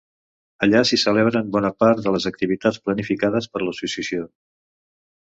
Allà s'hi celebren bona part de les activitats planificades per l'associació.